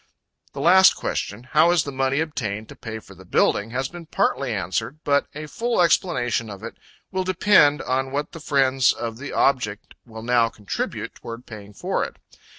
The last question, how is the money obtained to pay for the building? has been partly answered; but a full explanation of it will depend on what the friends of the object will now contribute toward paying for it.